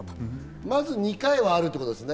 まず２回はあるってことですね。